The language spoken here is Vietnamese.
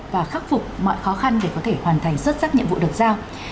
và khắc phục mọi khó khăn để có thể hoàn thành xuất sắc nhiệm vụ được giao